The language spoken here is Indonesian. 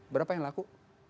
berapa yang laku